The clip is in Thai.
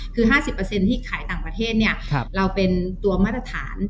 คือ๕๐ที่ขายต่างประเทศเราเป็นตัวมาตรฐาน